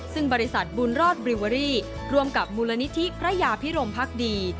ซึ่งบริษัทบุญรอดบริเวอรี่ร่วมกับมูลนิธิพระยาพิรมพักดี